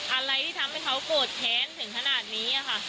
อะไรที่ทำให้เขาโกรธแค้นถึงขนาดนี้ค่ะ